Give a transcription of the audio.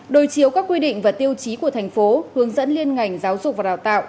đối chiếu các quy định và tiêu chí của thành phố hướng dẫn liên ngành giáo dục và đào tạo